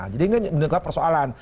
jadi ini menegak persoalan